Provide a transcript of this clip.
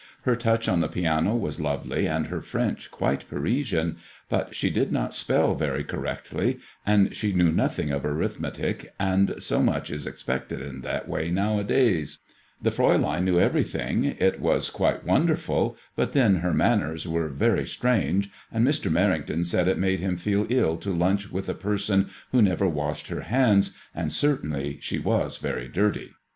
Her touch on the piano was lovely, and her French quite Parisian, but she did not spell very correctly, and she knew nothing of uith metic, and so much is expected in that way nowadays. The Fraiilein knew everything ; it MADBMOISKLLX IXS. was quite wonderful; but thet. her manners were very strange^ and Mr. Merrington said it made him feel ill to lunch with a per* son who never washed her hands, and certainly she was very dirty.